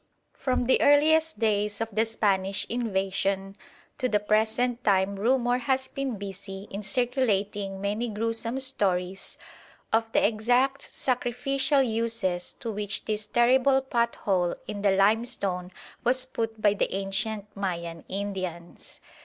From the earliest days of the Spanish invasion to the present time rumour has been busy in circulating many gruesome stories of the exact sacrificial uses to which this terrible pothole in the limestone was put by the ancient Mayan Indians.